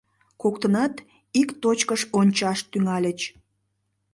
Коктынат ик точкыш ончаш тӱҥальыч.